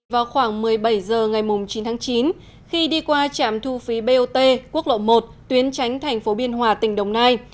vào khoảng một mươi bảy h ngày chín tháng chín khi đi qua trạm thu phí bot quốc lộ một tuyến tránh thành phố biên hòa tỉnh đồng nai